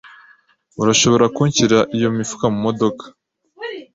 Urashobora kunshyira iyo mifuka mumodoka?